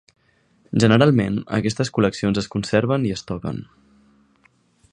Generalment, aquestes col·leccions es conserven i es toquen.